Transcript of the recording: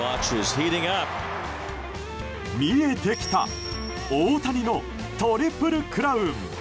見えてきた大谷のトリプルクラウン。